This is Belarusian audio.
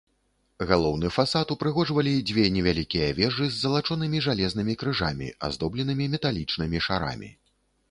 Галоўны фасад упрыгожвалі дзве невялікія вежы з залачонымі жалезнымі крыжамі, аздобленымі металічнымі шарамі.